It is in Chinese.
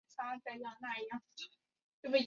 红玛瑙有扁平黑白阶。